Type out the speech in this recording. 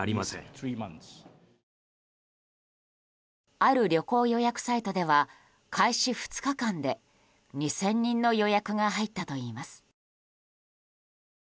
ある旅行予約サイトでは開始２日間で２０００人の予約が入ったといいます。